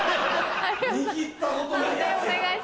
判定お願いします。